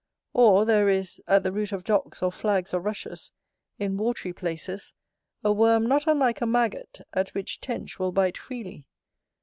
Or, there is, at the root of docks or flags or rushes, in watery places, a worm not unlike a maggot, at which Tench will bite freely.